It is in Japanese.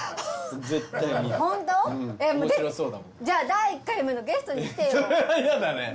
じゃ第１回目のゲストに来てよ。